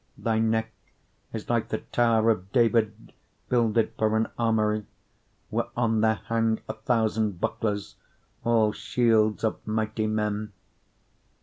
4:4 Thy neck is like the tower of David builded for an armoury, whereon there hang a thousand bucklers, all shields of mighty men.